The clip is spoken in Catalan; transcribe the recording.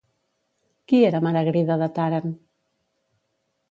Qui era Maragrida de Tàrent?